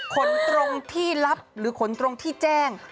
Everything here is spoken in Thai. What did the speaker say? ขนตรงที่ลับหรือขนตรงที่แจ้ง